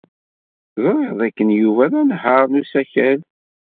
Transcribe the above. Ẓriɣ dakken Yuba d anehhaṛ n usakal.